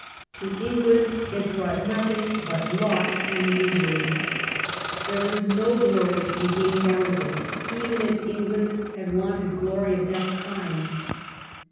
To England it brought nothing but loss and mis ery. There was no glory to be gained out of it, even if England had wanted glory of that kind.